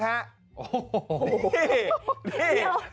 โอ้โหนี่นี่